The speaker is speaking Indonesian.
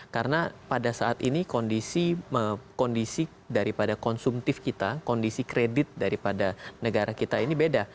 karena pada saat ini kondisi daripada konsumtif kita kondisi kredit daripada negara kita ini beda